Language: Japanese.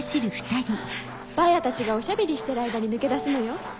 ばあやたちがおしゃべりしてる間に抜け出すのよ。